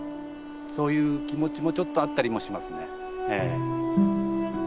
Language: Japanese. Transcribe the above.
そういう気持ちもちょっとあったりもしますね。